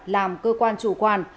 làm cơ quan chủ quan